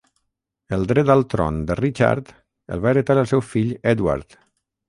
El dret al tron de Richard el va heretar el seu fill Edward.